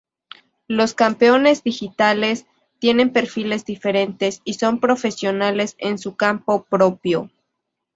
Los Campeones Digitales tienen perfiles diferentes y son profesionales en su campo propio.